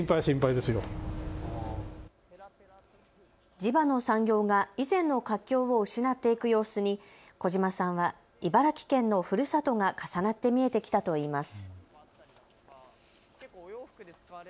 地場の産業が以前の活況を失っていく様子に児嶋さんは茨城県のふるさとが重なって見えてきたといいます。